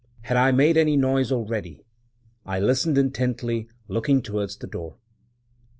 Had I made any noise already? I listened intently, looking towards the door.